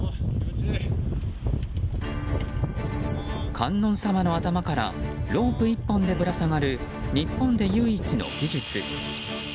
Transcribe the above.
観音様の頭からロープ１本でぶら下がる日本で唯一の技術。